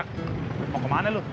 yak mau kemana lu